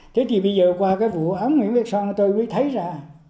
thế thì bây giờ qua cái vụ án ông nguyễn bắc son tôi mới thấy ra